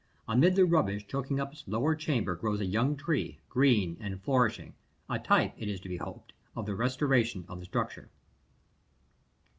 Amid the rubbish choking up its lower chamber grows a young tree, green and flourishing a type, it is to be hoped, of the restoration of the structure.